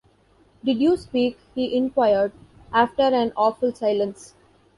‘Did you speak’, he inquired, after an awful silence.